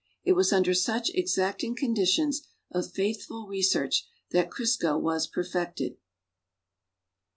It was under such exacting conditions of faithful research that Crisco was perfected.